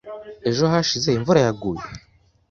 Ejo hashize imvura yaguye?